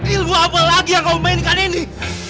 ilmu apa lagi yang kau mainkan ini